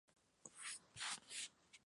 Fue escrita por George Henry Powell.